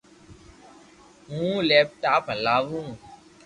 ھون ليپ ٽاپ ھلاو